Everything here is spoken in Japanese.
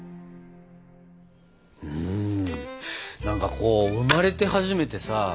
何かこう生まれて初めてさ